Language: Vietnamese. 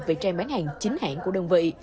vì trang bán hàng chính hãng của đơn vị